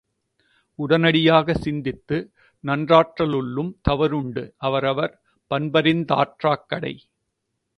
உடனடியாக சிந்தித்து, நன்றாற்ற லுள்ளும் தவறுண்டு அவரவர் பண்பறிந் தாற்றாக் கடை.